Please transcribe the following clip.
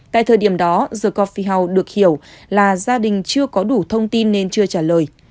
tại thời điểm đó the coffiel house được hiểu là gia đình chưa có đủ thông tin nên chưa trả lời